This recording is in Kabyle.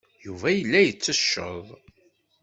Yuba yella yettecceḍ.